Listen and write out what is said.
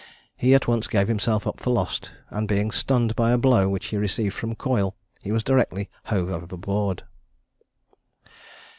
He at once gave himself up for lost; and, being stunned by a blow which he received from Coyle, he was directly hove overboard.